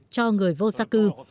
cho người vô gia cư